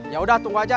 ya udah tunggu aja